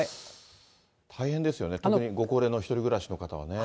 大変ですよね、特にご高齢の１人暮らしの方はね。